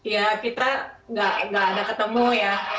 ya kita nggak ada ketemu ya